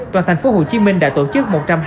toàn tp hcm đã tổ chức